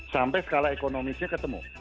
sampai skala ekonomisnya ketemu